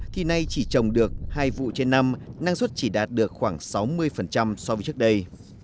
thì nay chỉ trồng được hai vụ trên năm năng suất chỉ đạt được khoảng sáu mươi so với trước đây